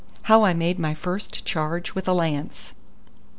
HOW I MADE MY FIRST CHARGE WITH A LANCE.